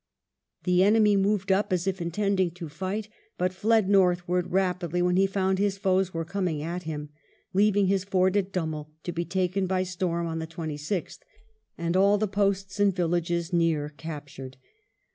The enemy moved up as if intending to fight, but fled northward rapidly when he found his foes were coming at him, leaving his fort at Dummel to be ttiken by storm on the 26th, and all the posts and villages near captured.